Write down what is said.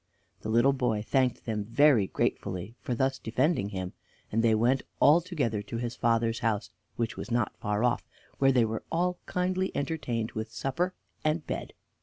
The little boy thanked them very gratefully for thus defending him, and they went all together to his father's house, which was not far off, where they were all kindly entertained with a supper and bed.